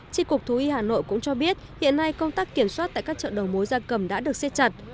trị cục thú y hà nội cũng cho biết hiện nay công tác kiểm soát tại các chợ đầu mối gia cầm đã được siết chặt